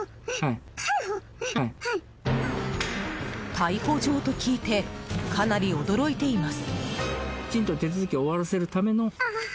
逮捕状と聞いてかなり驚いています。